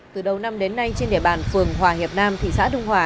từ đầu năm đến nay trên địa bàn phường hòa hiệp nam thị xã đông hòa